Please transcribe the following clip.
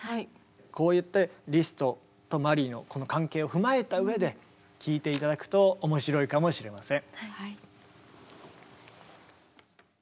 こうやってリストとマリーのこの関係を踏まえた上で聴いて頂くと面白いかもしれません。